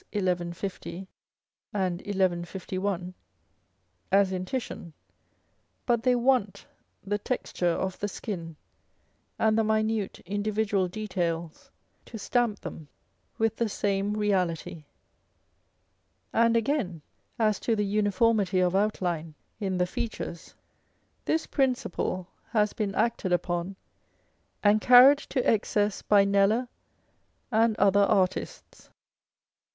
1150 and 1151) as in Titian : but they want the texture of the skin and the minute individual details to stamp them with the same 404 On a Portrait by Vandyke. reality. And again, as to the uniformity of outline in the features, this principle has been acted upon and carried to excess by Kneller and other artists.